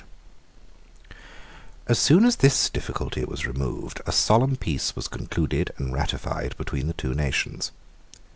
] As soon as this difficulty was removed, a solemn peace was concluded and ratified between the two nations.